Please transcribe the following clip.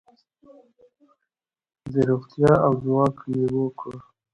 د روغتیا او ځواک میوو کور.